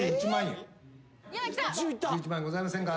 １１万円ございませんか？